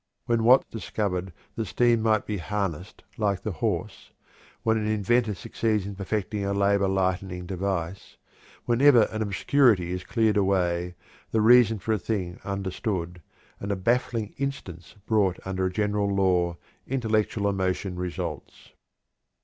When Watts discovered that steam might be harnessed like a horse, when an inventor succeeds in perfecting a labor lightening device, whenever an obscurity is cleared away, the reason for a thing understood, and a baffling instance brought under a general law, intellectual emotion results."